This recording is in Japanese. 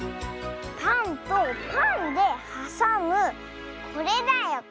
パンとパンではさむこれだよこれ！